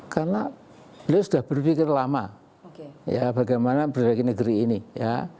karena beliau sudah berpikir lama ya bagaimana berdagang negeri ini ya